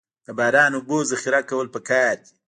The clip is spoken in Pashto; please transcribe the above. د باران اوبو ذخیره کول پکار دي